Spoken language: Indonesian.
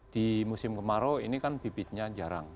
di musim kemarau ini kan bibitnya jarang